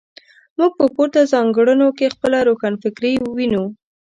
موږ په پورته ځانګړنو کې خپله روښانفکري وینو.